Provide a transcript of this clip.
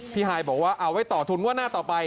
ฮายบอกว่าเอาไว้ต่อทุนว่าหน้าต่อไป